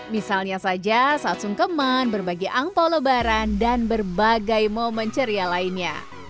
misalnya saja saat sungkeman berbagi angpao lebaran dan berbagai momen ceria lainnya